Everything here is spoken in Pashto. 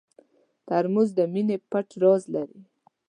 ترموز د مینې پټ راز لري.